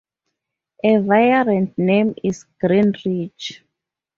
A variant name is "Greenridge".